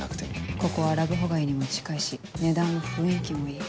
ここはラブホ街にも近いし値段も雰囲気もいい。